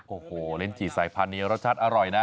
โอ้โหลิ้นจี่สายพันธุนี้รสชาติอร่อยนะ